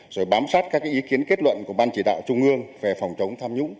rồi bám sát các ý kiến kết luận của ban chỉ đạo trung ương về phòng chống tham nhũng